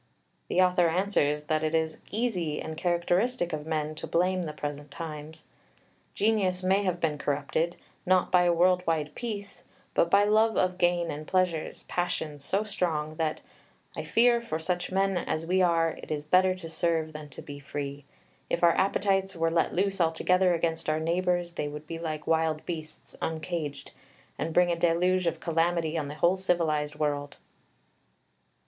The author answers that it is easy and characteristic of men to blame the present times. Genius may have been corrupted, not by a world wide peace, but by love of gain and pleasure, passions so strong that "I fear, for such men as we are it is better to serve than to be free. If our appetites were let loose altogether against our neighbours, they would be like wild beasts uncaged, and bring a deluge of calamity on the whole civilised world."